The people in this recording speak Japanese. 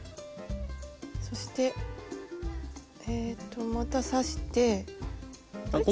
そしてえっとまた刺してあれ？